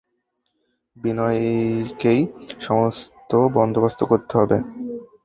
বিনয়কেই সমস্ত বন্দোবস্ত করতে হবে।